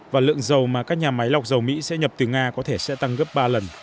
và lượng dầu mà các nhà máy lọc dầu mỹ sẽ nhập từ nga có thể sẽ tăng gấp ba lần